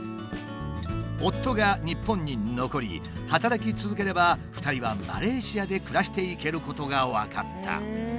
夫が日本に残り働き続ければ２人はマレーシアで暮らしていけることが分かった。